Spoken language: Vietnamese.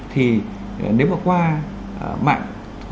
thì nếu mà qua mạng